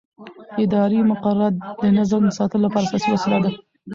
اداري مقررات د نظم ساتلو اساسي وسیله ده.